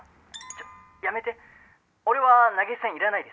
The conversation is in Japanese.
「ちょっやめて俺は投げ銭いらないです」